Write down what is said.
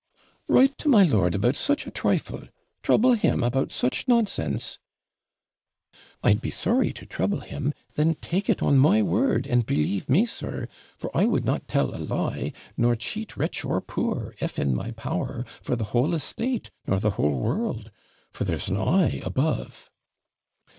'Write to my lord about such a trifle trouble him about such nonsense!' 'I'd be sorry to trouble him. Then take it on my word, and believe me, sir; for I would not tell a lie, nor cheat rich or poor, if in my power, for the whole estate, nor the whole world: for there's an eye above.'